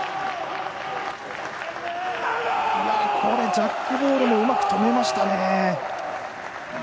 ジャックボールもうまく止めましたね。